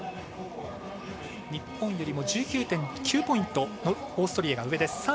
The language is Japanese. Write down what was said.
日本よりも１９．９ポイントオーストリアが上です。